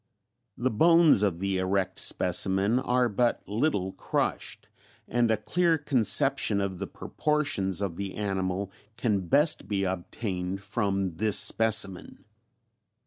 "The bones of the erect specimen are but little crushed and a clear conception of the proportions of the animal can best be obtained from this specimen.